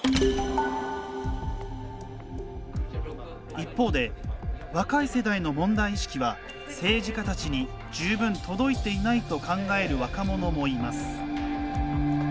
一方で、若い世代の問題意識は政治家たちに十分届いていないと考える若者もいます。